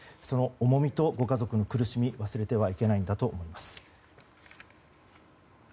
その重みとご家族の苦しみを忘れてはいけないんだと思います。